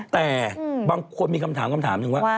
แต่บางคนมีคำถามหนึ่งว่า